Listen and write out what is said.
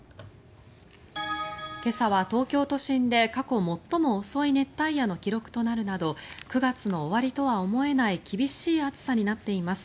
今朝は東京都心で過去最も遅い熱帯夜の記録となるなど９月の終わりとは思えない厳しい暑さとなっています。